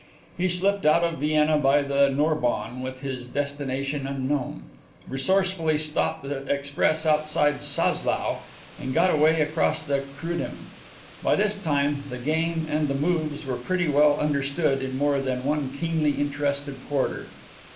He slipped out of Vienna by the Nordbahn with his destination known, resourcefully stopped the express outside Czaslau and got away across to Chrudim. By this time the game and the moves were pretty well understood in more than one keenly interested quarter.